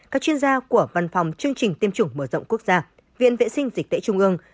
các chuyên gia của văn phòng chương trình tiêm chủng mở rộng quốc gia viện vệ sinh dịch tễ trung ương